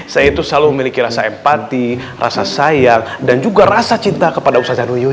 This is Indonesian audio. saya itu selalu memiliki rasa empati rasa sayang dan juga rasa cinta kepada usaha syahruyu